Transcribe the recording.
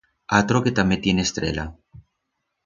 Atro que tamé tiene estrela.